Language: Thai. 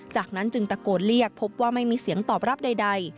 จากนั้นจึงตะโกนเรียกพบว่าไม่มีเสียงตอบรับใด